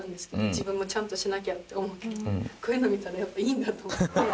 自分もちゃんとしなきゃって思うけどこういうの見たらやっぱいいんだと。